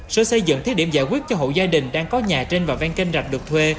sở xây dựng thiết điểm giải quyết cho hộ gia đình đang có nhà trên và ven kênh rạch được thuê